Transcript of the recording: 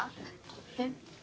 えっ。